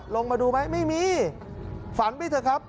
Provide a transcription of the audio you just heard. ลงมาดูไหมไม่มีฝันไปเถอะครับ